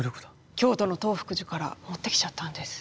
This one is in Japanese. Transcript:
京都の東福寺から持ってきちゃったんです。